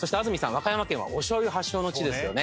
和歌山県はおしょうゆ発祥の地ですよね